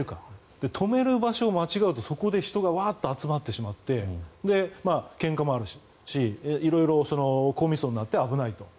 止める場所を間違えるとそこに人が集まってしまってけんかもあるし色々高密度になって危ないと。